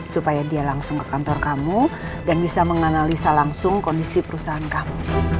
supaya dia langsung ke kantor kamu dan bisa menganalisa langsung kondisi perusahaan kamu